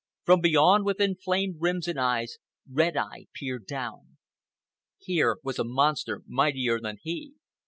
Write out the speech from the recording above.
From beyond, with inflamed rims and eyes, Red Eye peered down. Here was a monster mightier than he.